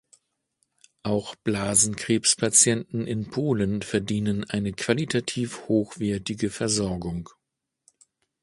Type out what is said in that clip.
Auch Blasenkrebspatienten in Polen verdienen eine qualitativ hochwertige Versorgung.